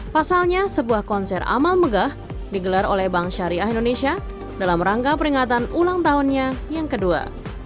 pasalnya sebuah konser amal megah digelar oleh bank syariah indonesia dalam rangka peringatan ulang tahunnya yang kedua